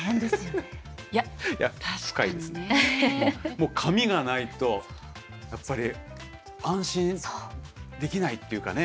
もう紙がないとやっぱり安心できないっていうかね。